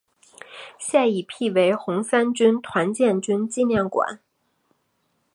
现已辟为红三军团建军纪念馆。